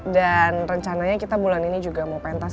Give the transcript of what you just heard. dan rencananya kita bulan ini juga mau pentas